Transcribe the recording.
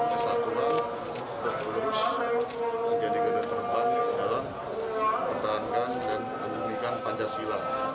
kesatuan untuk terus menjadi geng terbang dalam pertahankan dan menemukan pancasila